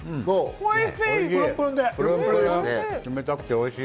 おいしい！